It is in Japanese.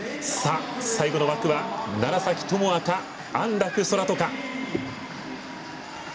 最後の枠は楢崎智亜か安楽宙斗か。